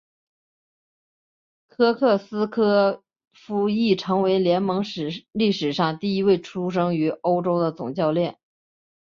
科克斯柯夫亦成为联盟历史上第一位出生于欧洲的总教练。